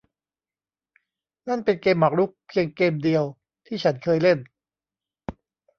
นั่นเป็นเกมหมากรุกเพียงเกมเดียวที่ฉันเคยเล่น